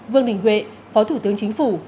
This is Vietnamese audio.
vương đình huệ phó thủ tướng chính phủ